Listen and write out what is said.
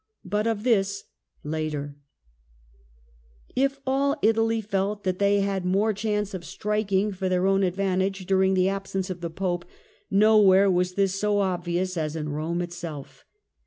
But of this later. Rome If all Italy felt that they had more chance of striking for their own advantage during the absence of the Pope, nowhere was this so obvious as in Eome itself.